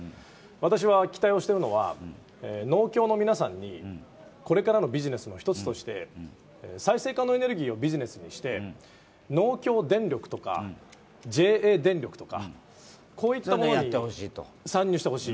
私は期待をしてるのは農協の皆さんにこれからのビジネスの１つとして、再生可能エネルギーをビジネスにして農協電力とかＪＡ電力とかこういったものに参入してほしい。